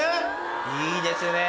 いいですね。